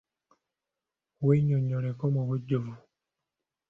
Wennyonnyoleko mu bujjuvu.